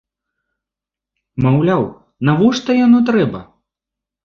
Маўляў, навошта яно трэба!?